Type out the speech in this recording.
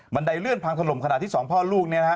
บันไดเลื่อนพังทะลมขณะที่สองพ่อลูก